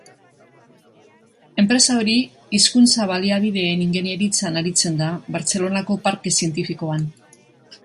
Enpresa hori hizkuntza-baliabideen ingeniaritzan aritzen da Bartzelonako Parke Zientifikoan.